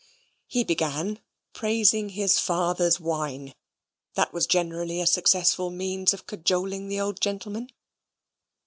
He began praising his father's wine. That was generally a successful means of cajoling the old gentleman.